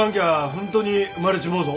本当に生まれちもうぞ。